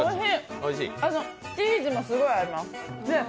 おいしい、チーズもすごい合います。